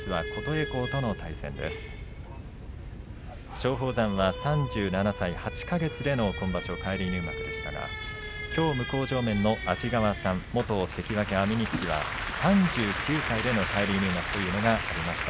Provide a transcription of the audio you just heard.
松鳳山は３７歳８か月での今場所、返り入幕でしたがきょう向正面の安治川さん元関脇安美錦は３９歳での返り入幕というのがありました。